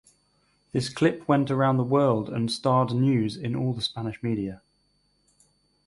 This clip went around the world and starred news in all the Spanish media.